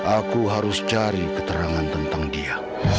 aku harus cari keterangan tentang dia